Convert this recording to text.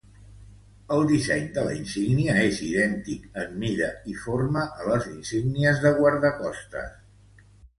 El disseny de la insígnia és idèntic en mida i forma a la insígnia de guardacostes.